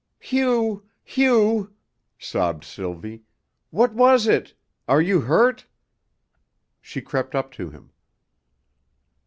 "Hugh! Hugh!" sobbed Sylvie. "What was it? Are you hurt?" She crept up to him.